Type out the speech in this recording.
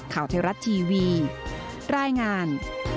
ข่าวเทวรัตน์ทีวีรายงาน